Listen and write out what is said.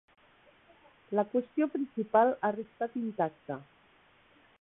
La qüestió principal ha restat intacta.